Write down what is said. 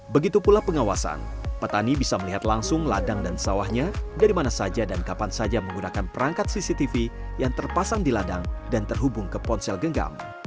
begitu pula pengawasan petani bisa melihat langsung ladang dan sawahnya dari mana saja dan kapan saja menggunakan perangkat cctv yang terpasang di ladang dan terhubung ke ponsel genggam